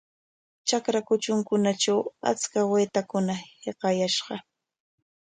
Trakra kutrunkunatraw achka waytakuna hiqashqa.